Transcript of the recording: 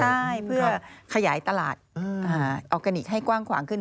ใช่เพื่อขยายตลาดออร์แกนิคให้กว้างขวางขึ้น